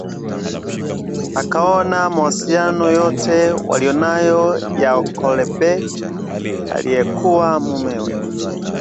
Akaomba mawasiliano yoyote walio nayo ya Okalebe aliekuwa mumewe